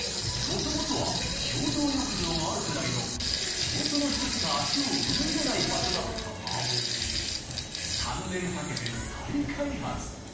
もともとは共同浴場があるくらいの地元の人しか足を踏み入れない場所だったが３年かけて再開発！